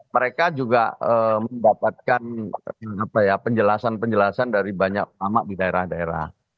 mereka juga mendapatkan penjelasan penjelasan dari banyak amak di daerah daerah